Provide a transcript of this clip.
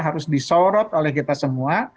harus disorot oleh kita semua